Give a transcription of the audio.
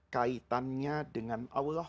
kaitannya dengan allah